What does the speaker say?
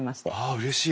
あうれしい！